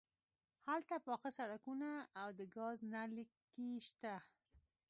هلته پاخه سړکونه او د ګاز نل لیکې شته